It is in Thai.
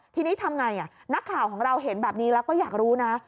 ทีนี้ทำไงนักข่าวของเราเห็นแบบนี้แล้วก็อยากรู้นะ